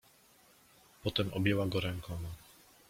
"Potem objęła go rękoma."